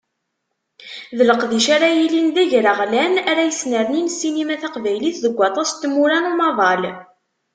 D leqdic ara yilin d agraɣlan, ara yesnernin ssinima taqbaylit deg waṭas n tmura n umaḍal.